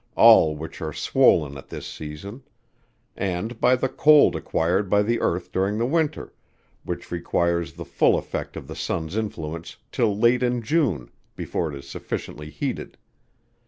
all which are swoln at this season; and by the cold acquired by the earth during the winter, which requires the full effect of the sun's influence, till late in June, before it is sufficiently heated.